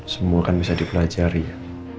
semua kan bisa dipelajari ya